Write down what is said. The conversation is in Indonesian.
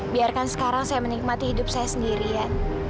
biarkan sekarang saya menikmati hidup saya sendiri ya